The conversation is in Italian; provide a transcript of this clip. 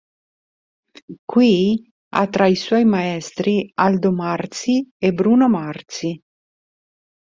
Qui ha tra i suoi maestri Aldo Marzi e Bruno Marzi.